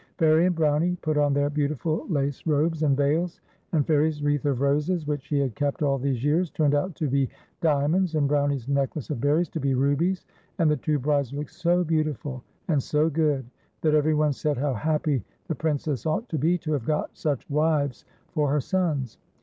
Fairie and Brownie put on their beautiful lace robes and veils, and Fairie's wreath of roses, which she had kept all these jears, turned out to be diamonds, and Brownie's necklace of berries to be rubies ; and the two brides looked so beautiful and so good, that every one said how happy the Princess ought to be to have got such wives for her sons.